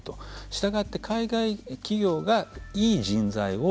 したがって海外企業がいい人材を